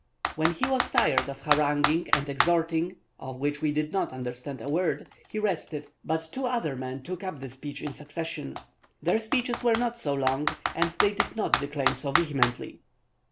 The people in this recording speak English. "When he was tired of haranguing and exhorting, of which we did not understand a word, he rested, but two other men took up the speech in succession. Their speeches were not so long, and they did not declaim so vehemently.